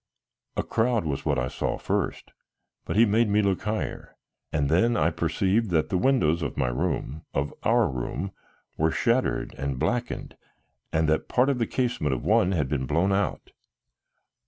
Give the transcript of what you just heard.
A crowd was what I saw first, but he made me look higher, and then I perceived that the windows of my room, of our room, were shattered and blackened and that part of the casement of one had been blown out.